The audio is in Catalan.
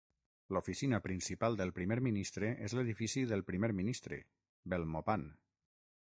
L'oficina principal del primer ministre és l'edifici del primer ministre, Belmopan.